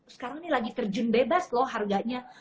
sekarang ini lagi terjun bebas loh harganya